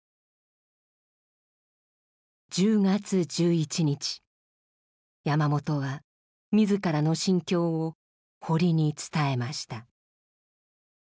１０月１１日山本は自らの心境を堀に伝えました。